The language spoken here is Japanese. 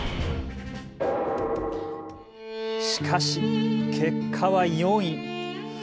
しかし結果は４位。